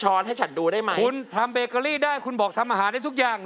ให้ฉันดูได้ไหมคุณทำเบเกอรี่ได้คุณบอกทำอาหารได้ทุกอย่าง